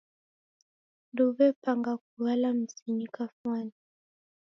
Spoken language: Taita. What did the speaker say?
Ndouw'epanga kughala mzinyi kafwani.